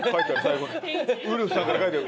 ウルフさんから書いてある。